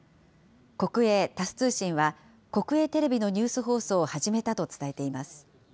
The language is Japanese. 国営タス通信は、国営テレビのニュース放送を始めたと伝えています。